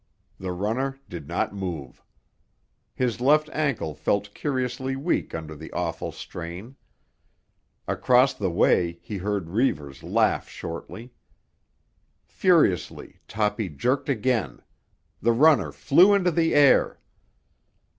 The runner did not move. His left ankle felt curiously weak under the awful strain. Across the way he heard Reivers laugh shortly. Furiously Toppy jerked again; the runner flew into the air.